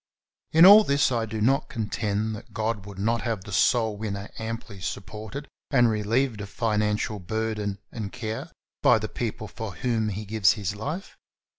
In all this I do not contend that God would not have the soul winner amply supported and relieved of financial burden and care by the people for whom he gives his life.